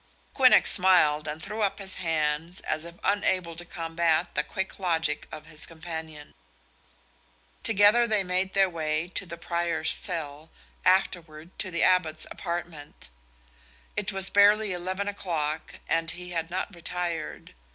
Quinnox smiled and threw up his hands as if unable to combat the quick logic of his companion. Together they made their way to the prior's cell, afterward to the Abbot's apartment. It was barely eleven o'clock and he had not retired.